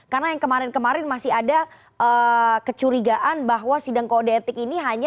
karena yang kemarin kemarin masih ada kecurigaan bahwa sidang kode etik ini hanya